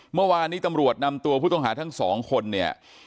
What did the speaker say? เมื่อวานนี้ตำรวจนำตัวผู้ต้องหาทั้งสองคนเนี่ย